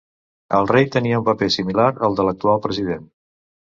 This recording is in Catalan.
El rei tenia un paper similar al de l'actual president.